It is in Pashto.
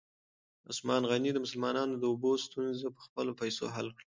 عثمان غني د مسلمانانو د اوبو ستونزه په خپلو پیسو حل کړه.